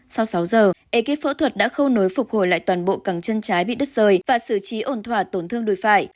sau sáu giờ ekip phẫu thuật đã khâu nối phục hồi lại toàn bộ cẳng chân trái bị đứt rời và xử trí ổn thỏa tổn thương đùi phải